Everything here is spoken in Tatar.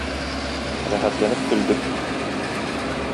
Рәхәтләнеп көлдек.